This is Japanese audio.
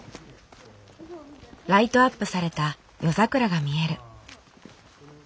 ライトアップされた夜桜が見える。